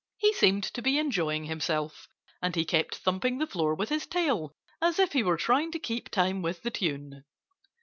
He seemed to be enjoying himself. And he kept thumping the floor with his tail as if he were trying to keep time with the tune.